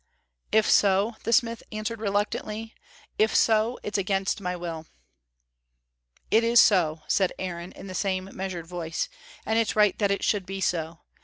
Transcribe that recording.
"If so," the smith answered reluctantly, "if so, it's against my will." "It is so," said Aaron, in the same measured voice, "and it's right that it should be so.